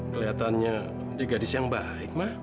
kelihatannya di gadis yang baik hikmah